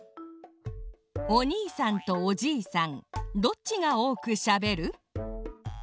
おにいさんとおじいさんどっちがおおくしゃべる？